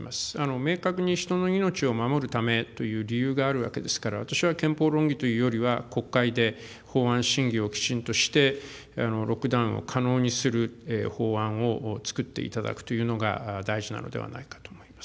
明確に人の命を守るためという理由があるわけですから、私は憲法論議というよりは、国会で法案審議をきちんとして、ロックダウンを可能にする法案を作っていただくというのが、大事なのではないかと思います。